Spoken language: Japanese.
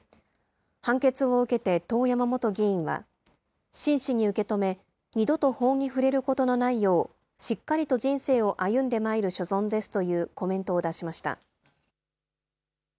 判決を受けて、遠山元議員は、真摯に受け止め、二度と法に触れることのないよう、しっかりと人生を歩んでまいる所存ですというコメントを出しました。